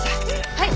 はい。